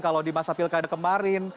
kalau di masa pilkada kemarin